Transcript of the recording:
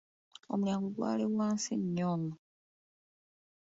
Omulyango gwali wansi nnyo.